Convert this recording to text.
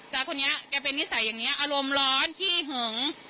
ตาคนนี้แกเป็นนิสัยอย่างนี้อารมณ์ร้อนขี้หึง